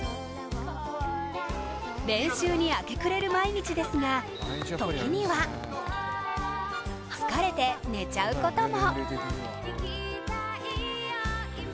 練習に明け暮れる毎日ですが時には、疲れて寝ちゃうことも。